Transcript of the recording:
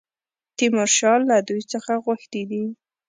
تیمورشاه له دوی څخه غوښتي دي.